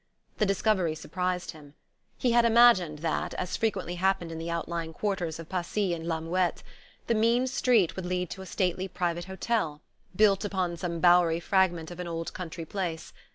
The discovery surprised him. He had imagined that, as frequently happened in the outlying quarters of Passy and La Muette, the mean street would lead to a stately private hotel, built upon some bowery fragment of an old country place.